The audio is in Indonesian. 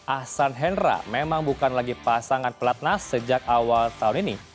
ahsan hendra memang bukan lagi pasangan pelatnas sejak awal tahun ini